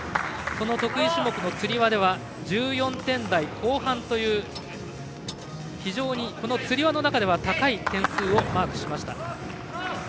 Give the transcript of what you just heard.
その得意種目のつり輪では１４点台後半という非常に、このつり輪の中では高い点数をマークしました。